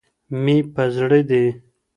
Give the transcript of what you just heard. مي په زړه دي